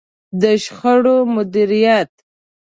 د شخړو مديريت.